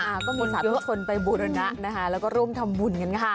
แล้วก็มีสัตว์ทุกคนไปบุรณะแล้วก็ร่วมทำบุญกันค่ะ